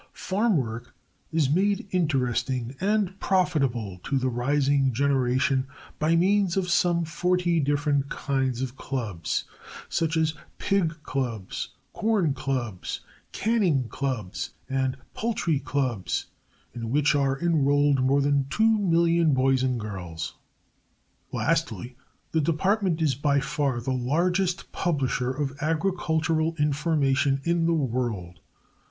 Farm work is made interesting and profitable to the rising generation by means of some forty different kinds of clubs, such as Pig Clubs, Corn Clubs, Canning Clubs and Poultry Clubs, in which are enrolled more than two million boys and girls. Lastly, the Department is by far the largest publisher of agricultural information in the world.